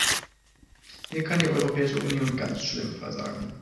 Hier kann die Europäische Union ganz schlimm versagen.